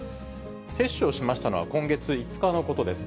接種をしましたのは今月５日のことです。